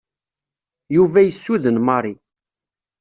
Yuba yessuden Mary.